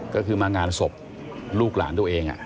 ก็คือมางานศพลูกหลานตัวเอง